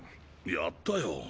やったよ！